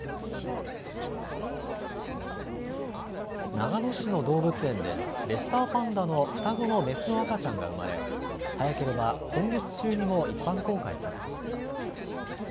長野市の動物園で、レッサーパンダの双子の雌の赤ちゃんが産まれ、早ければ今月中にも一般公開されます。